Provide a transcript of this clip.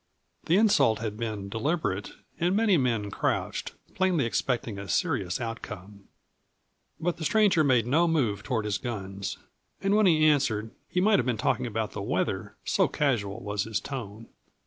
The insult had been deliberate, and many men crouched, plainly expecting a serious outcome. But the stranger made no move toward his guns, and when he answered he might have been talking about the weather, so casual was his tone.